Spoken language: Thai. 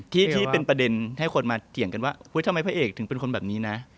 ที่เป็นประเด็นให้คนมาเถียงกันว่าทำไมพระเอกถึงเป็นคนแบบนี้นะ